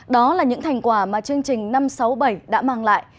đó là những thành quả mà chương trình năm sáu bảy đã mang lại